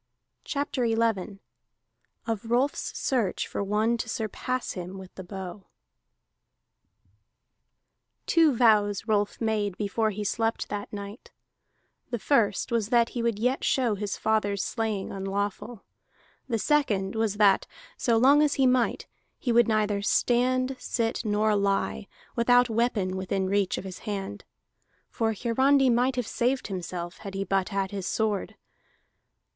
CHAPTER XI OF ROLF'S SEARCH FOR ONE TO SURPASS HIM WITH THE BOW Two vows Rolf made before he slept that night: the first was that he would yet show his father's slaying unlawful; the second was that, so long as he might, he would neither stand, sit, nor lie, without weapon within reach of his hand. For Hiarandi might have saved himself had he but had his sword.